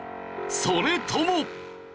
それとも。